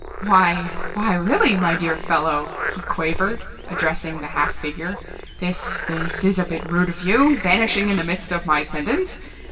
"Why, why really my dear fellow," he quavered, addressing the half figure. "This this is a bit rude of you, vanishing in the midst of my sentence.